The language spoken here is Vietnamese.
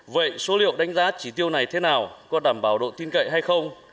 vậy số liệu đánh giá chỉ tiêu này thế nào có đảm bảo độ tin cậy hay không